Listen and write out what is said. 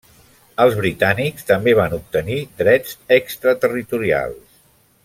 Els britànics també van obtenir drets extraterritorials.